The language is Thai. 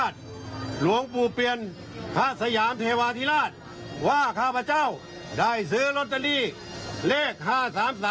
เดี๋ยวไปฟังพร้อมกันค่ะ